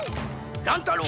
乱太郎。